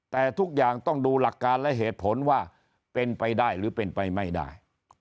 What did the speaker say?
แต่ทุกอย่างต้องดูหลักการและเหตุผลว่าเป็นไปได้หรือเป็นไปไม่ได้